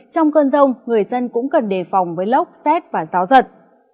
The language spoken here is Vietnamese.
trong cơn rông người dân cũng cần đề phòng với lốc xét và gió giật